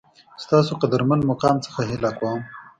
ستاسو قدرمن مقام څخه هیله کوم